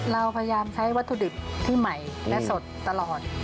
เราพยายามใช้วัตถุดิบที่ใหม่และสดตลอด